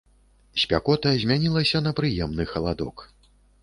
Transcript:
Спякота змянілася на прыемны халадок.